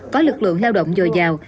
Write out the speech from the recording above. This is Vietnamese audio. có lực lượng lao động dồi dào